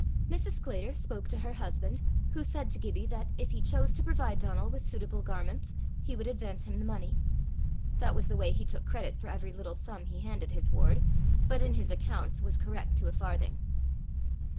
Mrs. Sclater spoke to her husband, who said to Gibbie that, if he chose to provide Donal with suitable garments, he would advance him the money: that was the way he took credit for every little sum he handed his ward, but in his accounts was correct to a farthing.